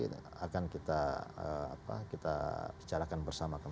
penjadwalan kembali akan kita bicarakan bersama kembali